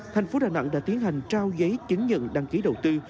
thành phố đà nẵng đã tiến hành trao giấy chứng nhận đăng ký đầu tư